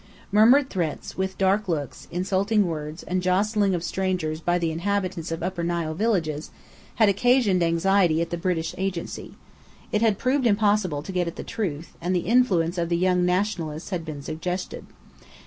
Murmured threats, with dark looks, insulting words and jostlings of strangers by the inhabitants of Upper Nile villages, had occasioned anxiety at the British Agency. It had proved impossible to get at the truth, and the influence of the Young Nationalists had been suggested.